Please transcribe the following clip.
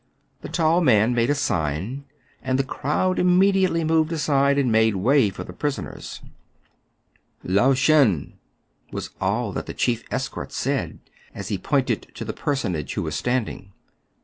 The tall man made a sign, and the crowd imme diately moved aside, and made way for the pris oners. *' Lao Shen !" was all that the chief escort said, as he pointed to the personage who was standing.